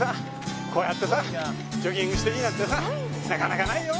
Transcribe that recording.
こうやってさジョギングしていいなんてさなかなかないよ。